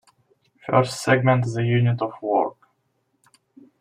First segment the unit of work.